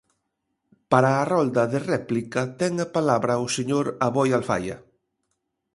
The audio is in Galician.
Para a rolda de réplica ten a palabra o señor Aboi Alfaia.